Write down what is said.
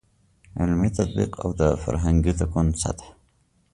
عملي تطبیق او د فرهنګي تکون سطحه.